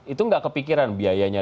itu nggak kepikiran biayanya